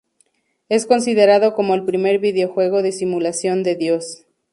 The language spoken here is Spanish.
Es considerado como el primer videojuego de simulación de dios.